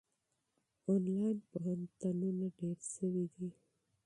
آنلاین پوهنتونونه ډېر سوي دي.